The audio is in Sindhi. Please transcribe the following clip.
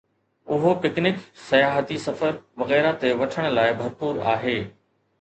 . اهو پکنڪ، سياحتي سفر، وغيره تي وٺڻ لاء ڀرپور آهي.